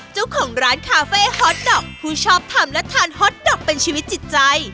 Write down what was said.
เจ้าของร้านคาเฟ่ฮอตดอกผู้ชอบทำและทานฮอตดอกเป็นชีวิตจิตใจ